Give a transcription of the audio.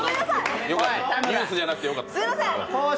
ニュースじゃなくてよかった。